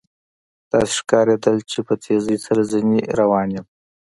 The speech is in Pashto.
داسې ښکارېدل چې په تېزۍ سره ځنې روان یم.